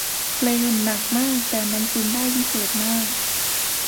เลนส์หนักมากแต่มันซูมได้วิเศษมาก